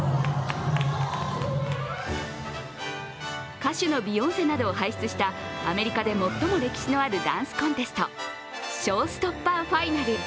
歌手のビヨンセなどを輩出した、アメリカで最も歴史のあるダンスコンテスト、ショーストッパー・ファイナル。